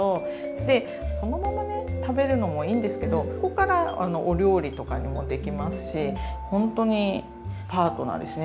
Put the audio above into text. でそのままね食べるのもいいんですけどここからお料理とかにもできますしほんとにパートナーですね